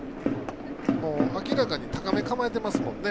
明らかに高め構えてますもんね。